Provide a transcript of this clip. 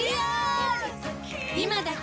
今だけ！